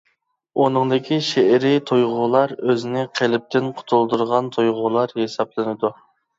ئۇنىڭدىكى شېئىرىي تۇيغۇلار ئۆزىنى قېلىپتىن قۇتۇلدۇرغان تۇيغۇلار ھېسابلىنىدۇ.